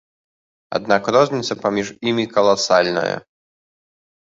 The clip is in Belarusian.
Аднак розніца паміж імі каласальная.